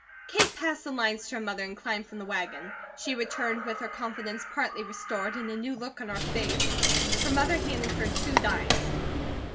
Kate passed the lines to her mother, and climbed from the wagon. She returned with her confidence partly restored and a new look on her face. Her mother handed her two dimes.